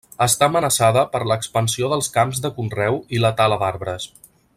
Està amenaçada per l'expansió dels camps de conreu i la tala d'arbres.